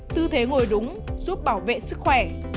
tư thế ngồi đúng giúp bảo vệ sức khỏe